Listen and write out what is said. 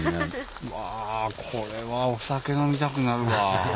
うわこれはお酒飲みたくなるわ。